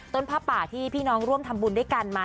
ผ้าป่าที่พี่น้องร่วมทำบุญด้วยกันมา